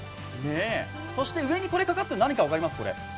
そして上にかかっているのは何か分かりますか？